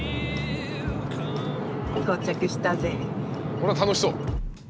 ほら楽しそう。